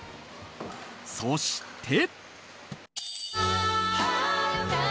そして。